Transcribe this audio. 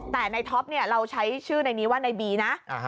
แต่นายท็อปเนี่ยเราใช้ชื่อในนี้ว่านายบีนะ